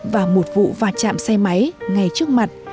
và một vụ và chạm xe máy ngay trước mặt